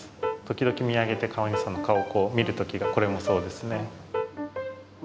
時々見上げて飼い主さんの顔を見る時がこれもそうですね。